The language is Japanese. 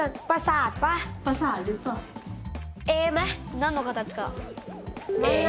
何の形か？